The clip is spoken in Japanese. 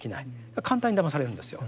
だから簡単にだまされるんですよ。